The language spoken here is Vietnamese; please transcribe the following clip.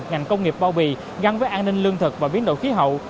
ngành công nghiệp bao bì gắn với an ninh lương thực và biến đổi khí hậu